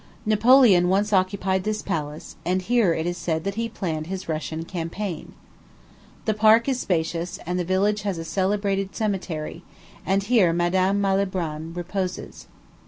Napoleon once occupied this palace, and here it is said that he planned his Russian campaign. The park is spacious, and the village has a celebrated cemetery; and here Madame Malibran reposes.